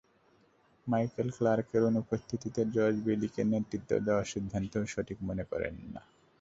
Michael ক্লার্কের অনুপস্থিতিতে George বেইলিকে নেতৃত্ব দেওয়ার সিদ্ধান্তও সঠিক মনে করেন না।